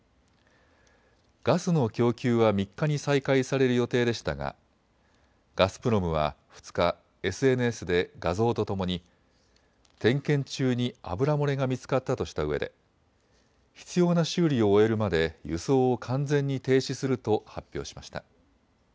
ガスの供給は３日に再開される予定でしたがガスプロムは２日、ＳＮＳで画像とともに点検中に油漏れが見つかったとしたうえで必要な修理を終えるまで輸送を完全に停止すると発表しました。